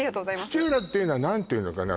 土浦っていうのは何て言うのかな